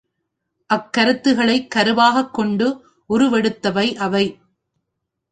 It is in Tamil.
அக்கருத்துக்களை கருவாகக் கொண்டு உருவெடுத்தவை அவை.